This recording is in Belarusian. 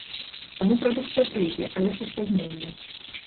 Таму прадукцыя прыйдзе, але са спазненнем.